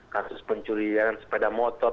kasus pencurian sepeda motor